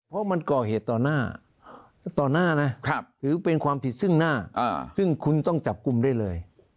เพราะมันก่อเหตุต่อหน้าต่อหน้านะถือเป็นความผิดซึ่งหน้าซึ่งคุณต้องจับกลุ่มได้เลย